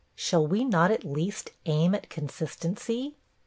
Shall we not at least aim at consistency?